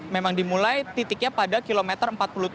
memang dimulai titiknya pada kilometer empat puluh tujuh